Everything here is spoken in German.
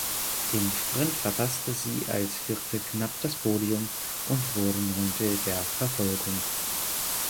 Im Sprint verpasste sie als Vierte knapp das Podium und wurde Neunte der Verfolgung.